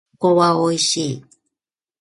りんごは美味しい。